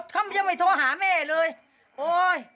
เขายังไม่โทรหาแม่เลยโอ๊ย